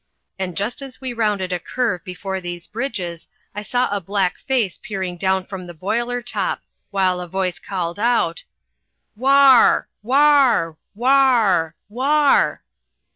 And just as we rounded a curve before these bridges I saw a black face peering down from the boiler top, while a voice called out: "Wahr wahr wahr wahr!"